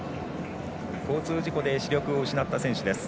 交通事故で視力を失った選手です。